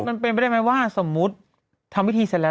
มันเป็นไปได้ไหมว่าสมมุติทำพิธีเสร็จแล้ว